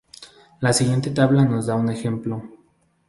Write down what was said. La siguiente tabla nos da un ejemplo.